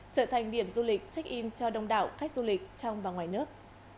trở thành điểm du lịch check in cho đông đảo khách du lịch trong và ngoài nước